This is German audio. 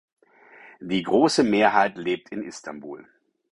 Die große Mehrheit lebt in Istanbul.